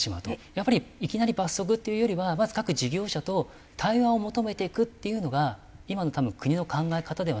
やっぱりいきなり罰則っていうよりはまず各事業者と対話を求めていくっていうのが今の多分国の考え方ではないかなと思うんですけども。